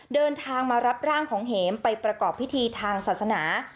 เดินทางมารับร่างของเห็มไปประกอบพิธีทางศาสนา